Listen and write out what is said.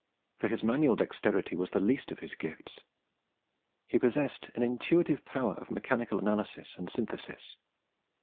For his manual dexterity was the least of his gifts. He possessed an intuitive power of mechanical analysis and synthesis.